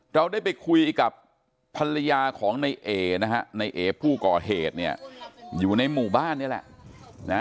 เราได้ไปคุยกับภรรยาของในเอนะฮะในเอผู้ก่อเหตุเนี่ยอยู่ในหมู่บ้านนี่แหละ